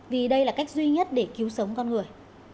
vì đây là cách duy nhất để cứu sống con người